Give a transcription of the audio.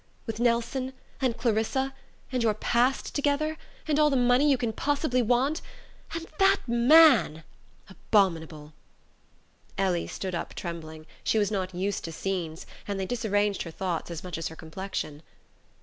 with Nelson... and Clarissa... and your past together... and all the money you can possibly want... and that man! Abominable." Ellie stood up trembling: she was not used to scenes, and they disarranged her thoughts as much as her complexion.